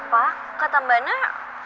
pak kata mba nah